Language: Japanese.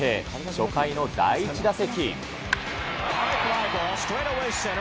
初回の第１打席。